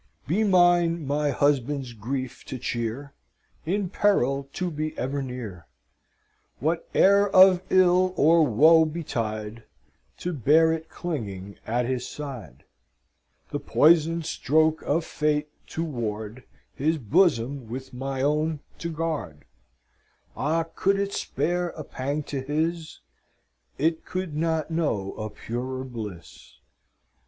"Be mine my husband's grief to cheer, In peril to be ever near; Whate'er of ill or woe betide, To bear it clinging at his side; The poisoned stroke of fate to ward, His bosom with my own to guard; Ah! could it spare a pang to his, It could not know a purer bliss!